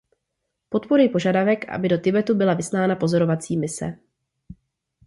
Podporuji požadavek, aby do Tibetu byla vyslána pozorovací mise.